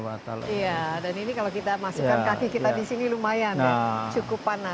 dan ini kalau kita masukkan kaki kita disini lumayan ya cukup panas